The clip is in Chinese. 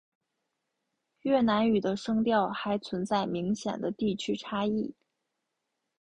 越南语的声调还存在明显的地区差异。